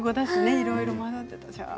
いろいろ混ざっていたし。